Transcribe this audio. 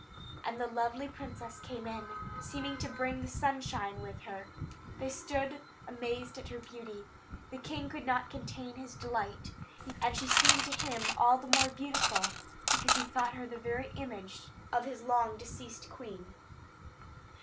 And the lovely princess came in, seeming to bring the sunshine with her. They all stood amazed at her beauty. The king could not contain his delight; and she seemed to him all the more beautiful, because he thought her the very image of his long deceased queen.